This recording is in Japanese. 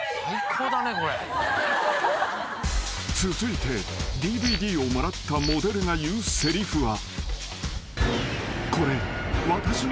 ［続いてＤＶＤをもらったモデルが言うせりふは］